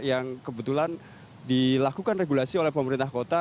yang kebetulan dilakukan regulasi oleh pemerintah kota